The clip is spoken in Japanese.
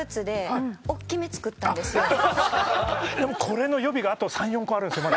これの予備があと３４個あるんすよ。